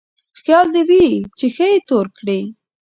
خيال دې وي چې ښه يې تور کړې.